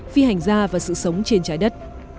phi hành gia và sự sống trên trái đất